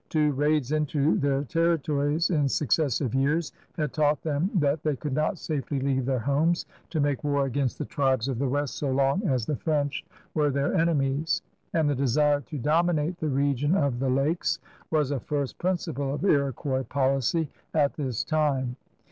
Two raids into their terri tories in successive years had taught them that they could not safely leave their homes to make , war against the tribes of the west so long as the French were their enemies. And the desire to dominate the region of the lakes was a first principle of Iroquois policy at this time.